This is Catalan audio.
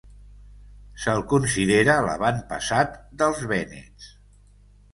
Se'l considera l'avantpassat dels vènets.